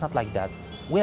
itu tidak seperti itu